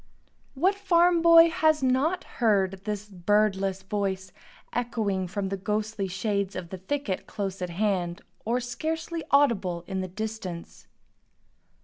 What farm boy has not heard this birdless voice echoing from the ghostly shades of the thicket close at hand, or scarcely audible in the distance?